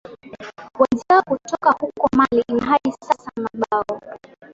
wenzao kutoka huko mali na hadi sasa mabao